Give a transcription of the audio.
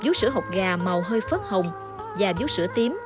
bíu sữa trắng có màu xanh vàng nhạt bíu sữa hột gà màu hơi phớt hồng và bíu sữa tím